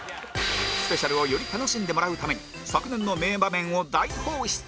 スペシャルをより楽しんでもらうために昨年の名場面を大放出